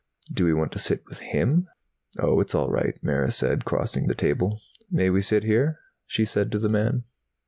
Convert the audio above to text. "Do we want to sit with him?" "Oh, it's all right," Mara said, crossing to the table. "May we sit here?" she said to the man.